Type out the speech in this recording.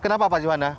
kenapa pak johana